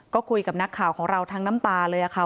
ก็คุยกับนักข่าวของเราทั้งน้ำตาเลยค่ะ